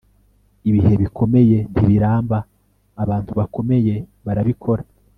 ibihe bikomeye ntibiramba, abantu bakomeye barabikora